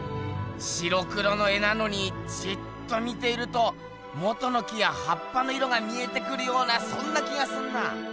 白黒の絵なのにじっと見ているともとの木やはっぱの色が見えてくるようなそんな気がすんなぁ。